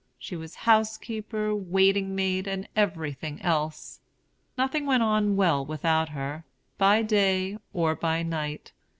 She was house keeper, waiting maid, and everything else: nothing went on well without her, by day or by night.